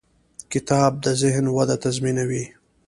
کتاب د ذهن وده تضمینوي.